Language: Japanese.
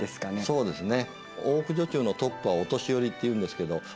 そうですね。